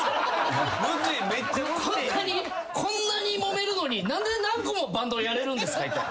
こんなにもめるのに何で何個もバンドやれるんです？